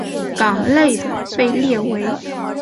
港内的被列为。